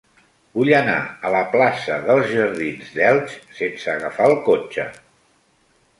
Vull anar a la plaça dels Jardins d'Elx sense agafar el cotxe.